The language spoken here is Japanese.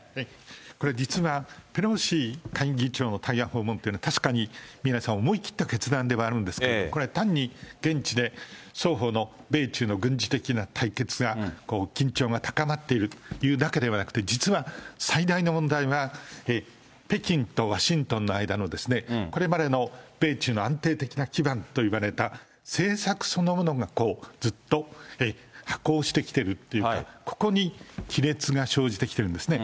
これ、実は、ペロシ下院議長の台湾訪問というのは、確かに宮根さん、思い切った決断ではあるんですが、これは単に現地で双方の米中の軍事的な対決が、緊張が高まっているというだけではなくて、実は最大の問題は、北京とワシントンの間の、これまでの米中の安定的な基盤といわれた、政策そのものがずっと下降してきてるというか、ここに亀裂が生じてきてるんですね。